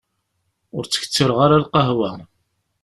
Ur ttkettireɣ ara lqahwa.